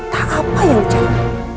tak apa yang terjadi